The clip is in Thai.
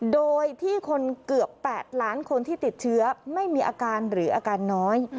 โดยที่คนเกือบ๘ล้านคนที่ติดเชื้อไม่มีอาการหรืออาการน้อย